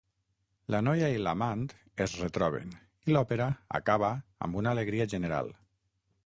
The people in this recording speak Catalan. La noia i l'amant es retroben i l'òpera acaba amb una alegria general.